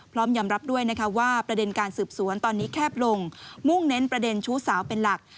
พร้อมยอมรับด้วยนะคะว่าประเด็นการสืบสวนตอนนี้แคบลงมุ่งเน้นประเด็นชู้สาวเป็นหลัก